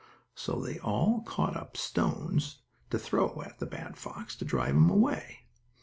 So they all caught up stones to throw at the bad fox, to drive him away.